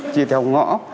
chia theo ngõ